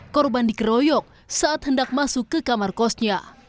korban dikeroyok saat hendak masuk ke kamar kosnya